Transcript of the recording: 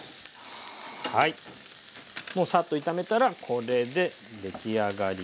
もうサッと炒めたらこれで出来上がりです。